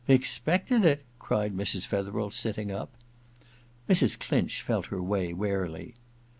* Expected it ?* cried Mrs. Fetherel, sitting up. Mrs. Clinch felt her way warily.